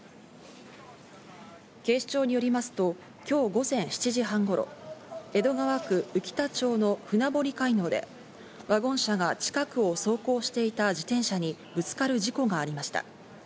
警視庁によりますと今日午前７時半頃、江戸川区宇喜田町の船堀街道でワゴン車が近くを走行していた自転車にぶつかる事故がありました。